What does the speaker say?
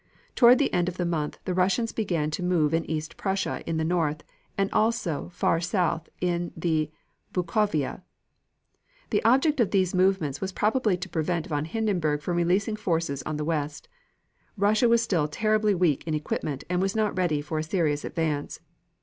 Toward the end of the month the Russians began to move in East Prussia in the north and also far south in the Bukovina. The object of these movements was probably to prevent von Hindenburg from releasing forces on the west. Russia was still terribly weak in equipment and was not ready for a serious advance.